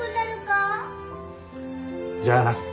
じゃあな。